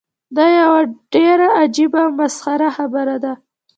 دا یوه ډیره عجیبه او مسخره خبره ده.